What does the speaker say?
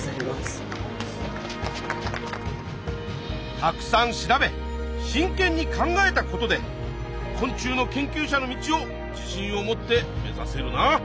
たくさん調べ真けんに考えたことで昆虫の研究者の道を自信を持って目指せるな！